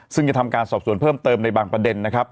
ซึ่งจะทำการสอบส่วนเพิ่มเติมในบางประเด็นนะครับ